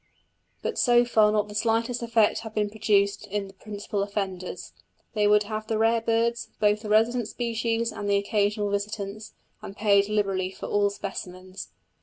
But so far not the slightest effect had been produced in the principal offenders. They would have the rare birds, both the resident species and the occasional visitants, and paid liberally for all specimens.